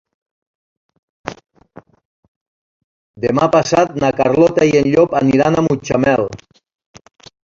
Demà passat na Carlota i en Llop aniran a Mutxamel.